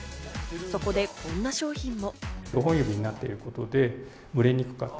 そこで、こんな商品も。